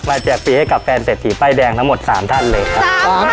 แจกปีให้กับแฟนเศรษฐีป้ายแดงทั้งหมด๓ท่านเลยครับ